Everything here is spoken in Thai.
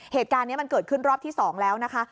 เหตุการณ์นี้มันเกิดขึ้นรอบที่๒แล้วนะคะ